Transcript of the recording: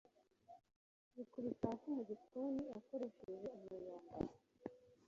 yikubise hasi mu gikoni akoresheje umuyonga